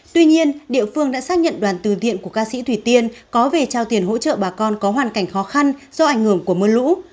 tuy nhiên địa phương đã xác nhận đoàn từ thiện của ca sĩ thủy tiên có về trao tiền hỗ trợ bà con có hoàn cảnh khó khăn do ảnh hưởng của mưa lũ